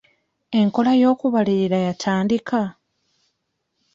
Enkola y'okubalirira yatandika.